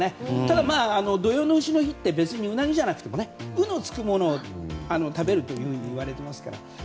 でも、土用の丑の日って別にウナギじゃなくても「う」のつくものを食べるというふうに言われていますから。